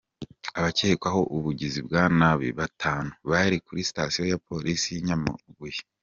Abakekwaho ubugizi bwa nabi batanu, bari kuri Station ya Polisi y’i Nyamabuye .